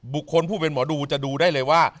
บุคคลผู้เป็นหมอดูจะดูได้เลยว่า